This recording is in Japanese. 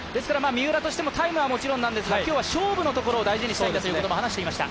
三浦としてもタイムはもちろんですが、今日は勝負のところを大事にしたいと話していました。